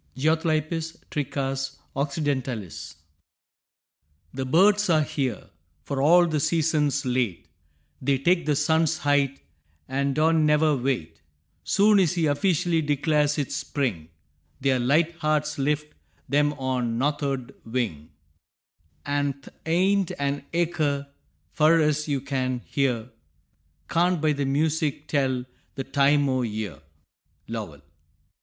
(Geothlypis trichas occidentalis.) The birds are here, for all the season's late. They take the sun's height, an' don' never wait; Soon's he officially declares it's spring, Their light hearts lift 'em on a north'ard wing, An' th' aint an acre, fur ez you can hear, Can't by the music tell the time o' year. _Lowell.